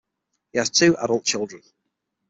He has two adult children.